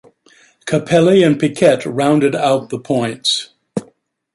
Capelli and Piquet rounded out the points.